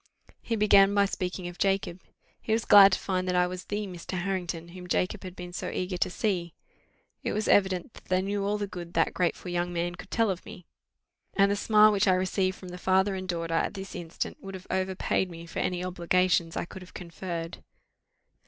He began by speaking of Jacob: he was glad to find that I was the Mr. Harrington whom Jacob had been so eager to see. It was evident that they knew all the good that grateful young man could tell of me; and the smile which I received from the father and daughter at this instant would have overpaid me for any obligations I could have conferred.